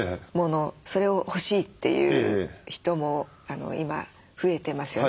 それを欲しいっていう人も今増えてますよね。